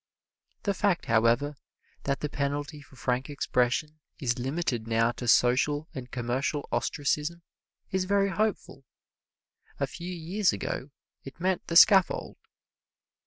The fact, however, that the penalty for frank expression is limited now to social and commercial ostracism is very hopeful a few years ago it meant the scaffold.